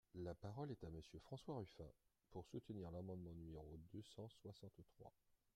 La parole est à Monsieur François Ruffin, pour soutenir l’amendement numéro deux cent soixante-trois.